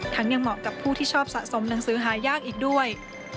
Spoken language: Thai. ยังเหมาะกับผู้ที่ชอบสะสมหนังสือหายากอีกด้วย